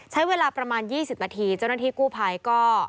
ใช้เวลาประมาณ๒๐นาทีเจ้าหน้าที่กู้ภัยก็